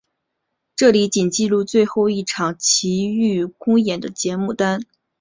这里仅记录最后一场琦玉公演的节目单。